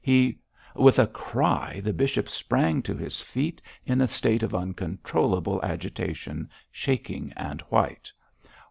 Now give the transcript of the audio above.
He ' With a cry the bishop sprang to his feet in a state of uncontrollable agitation, shaking and white.